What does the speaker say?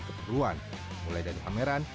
keperluan mulai dari kameran